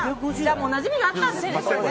なじみがあったんですね。